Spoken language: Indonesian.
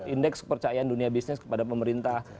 indeks kepercayaan dunia bisnis kepada pemerintah